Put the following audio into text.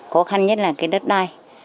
khó khăn nhất là cái đất đai